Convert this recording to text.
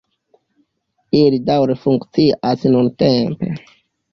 Ili daŭre funkcias nuntempe.